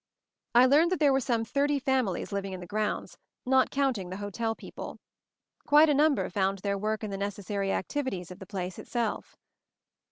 I learned that there were some thirty fam ilies living in the grounds, not counting the hotel people. Quite a number found their work in the necessary activities of the place itself.